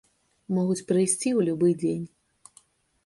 Могуць прыйсці ў любы дзень.